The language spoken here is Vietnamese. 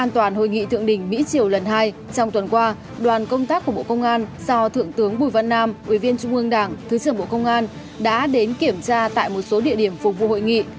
thứ trưởng bộ công an đã đến kiểm tra tại một số địa điểm phục vụ hội nghị